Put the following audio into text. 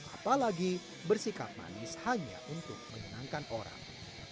apalagi bersikap manis hanya untuk menyenangkan orang